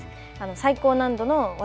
最高難度の技